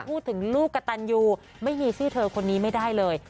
ลูกกระตันยูไม่มีชื่อเธอคนนี้ไม่ได้เลย